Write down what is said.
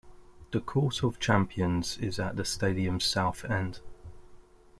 The Court of Champions is at the stadium's south end.